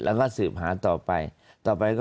แล้วก็สืบหาต่อไปต่อไปก็